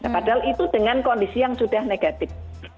padahal itu dengan kondisi yang sudah negatif